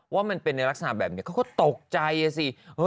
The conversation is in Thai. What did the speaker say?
ว่ามันเป็นในลักษณะแบบนี้เขาก็ตกใจสิ